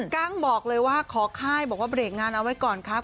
กั้งบอกเลยว่าขอค่ายบอกว่าเบรกงานเอาไว้ก่อนครับ